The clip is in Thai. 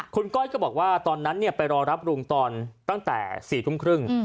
คุณก้อยก็บอกว่าตอนนั้นไปรอรับลุงตอนตั้งแต่๔ทุ่มครึ่ง